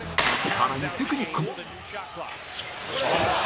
更にテクニックも